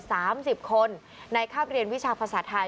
สามสิบคนในคาบเรียนวิชาภาษาไทย